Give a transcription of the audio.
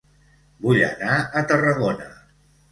Vull anar a Tarragona